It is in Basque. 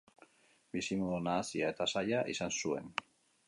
Bizimodu nahasia eta zaila izan zuen.